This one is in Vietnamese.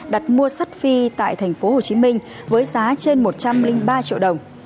đặt mua sắt phi tại thành phố hồ chí minh với giá trên một trăm linh ba triệu đồng